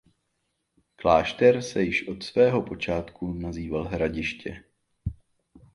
Klášter se již od svého počátku nazýval Hradiště.